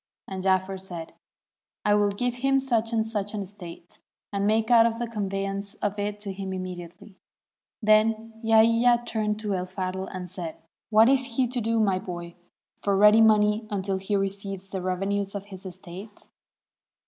and Jaafer said, ' I will give him such and such an estate, and make out the conveyance of it to him immediately.' Then Yahya turned to El Fadhl and said, 'What is he Si8 THE CALIPH AND POET OF THE BARMEKS to do, my boy, for ready money until he receives the revenues of his estate?